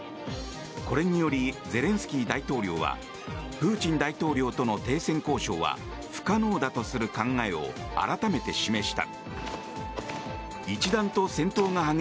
これによりゼレンスキー大統領はプーチン大統領との停戦交渉は不可能だとする考えを改めて示した。